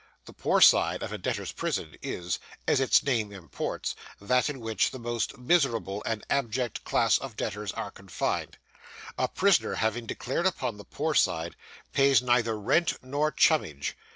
The poor side of a debtor's prison is, as its name imports, that in which the most miserable and abject class of debtors are confined. A prisoner having declared upon the poor side, pays neither rent nor chummage.